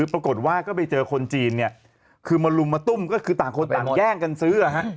ปรากฏว่าก็ไปเจอคนจีนเนี่ยคือมาลุมมาตุ้มก็คือต่างคนต่างแย่งกันซื้อ